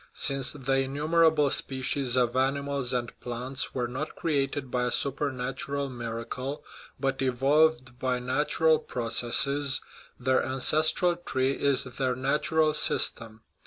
Since the innumerable species of animals and plants were not created by a supernatural miracle, but evolved by natural processes, their ancestral tree is their " nat ural system."